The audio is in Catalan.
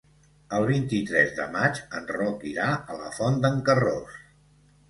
El vint-i-tres de maig en Roc irà a la Font d'en Carròs.